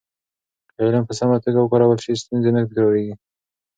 که علم په سمه توګه وکارول شي، ستونزې نه تکرارېږي.